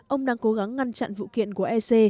ông đang cố gắng ngăn chặn vụ kiện của ec